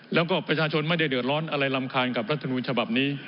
แล้วก็ประชาชนไม่ได้เดือดร้อนอะไรรำคาญกับรัฐมนุนฉบับนี้